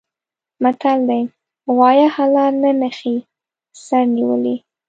متل دی: غوایه حلال نه نښکي په سر نیولي.